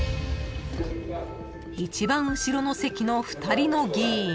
［一番後ろの席の２人の議員］